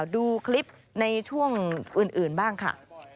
ดูคลิปในช่วงอื่นบ้างค่ะ